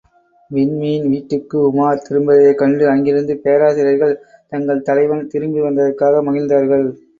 விண்மீன் வீட்டிற்கு உமார் திரும்பியதைக் கண்டு, அங்கிருந்த பேராசிரியர்கள் தங்கள் தலைவன் திரும்பிவந்ததற்காக மகிழ்ந்தார்கள்.